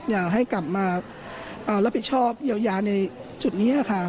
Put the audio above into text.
อยากให้กลับมารับผิดชอบเยียวยาในจุดนี้ค่ะ